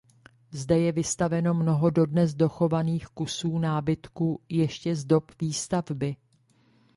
Zde je vystaveno mnoho dodnes dochovaných kusů nábytku ještě z dob výstavby.